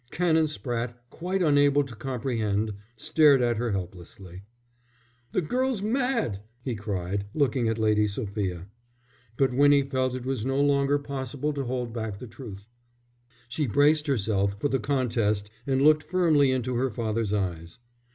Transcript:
Canon Spratte, quite unable to comprehend, stared at her helplessly. "The girl's mad," he cried, looking at Lady Sophia. But Winnie felt it was no longer possible to hold back the truth. She braced herself for the contest and looked firmly into her father's eyes.